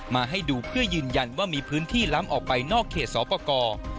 มาให้ดูเพื่อยืนยันว่ามีพื้นที่ล้ำออกไปนอกเขตสอบประกอบ